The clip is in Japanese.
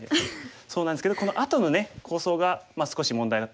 そうなんですけどこのあとのね構想が少し問題だったかもしれませんね。